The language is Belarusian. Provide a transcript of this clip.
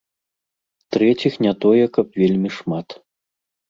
Трэціх не тое каб вельмі шмат.